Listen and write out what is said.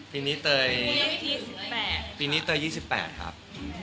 ปีนี้เตย๑๘ปีนี้เตย๒๘ครับ